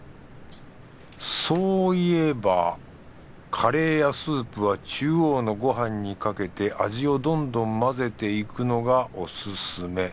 そういえばカレーやスープは中央のご飯にかけて味をどんどん混ぜていくのがおすすめ。